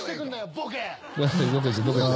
ボケ！